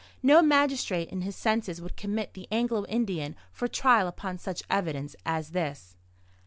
No magistrate in his senses would commit the Anglo Indian for trial upon such evidence as this.